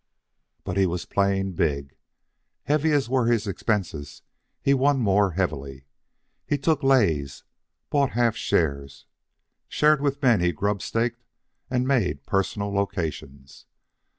But he was playing big. Heavy as were his expenses, he won more heavily. He took lays, bought half shares, shared with the men he grub staked, and made personal locations.